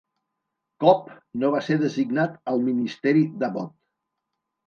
Cobb no va ser designat al Ministeri d'Abbott.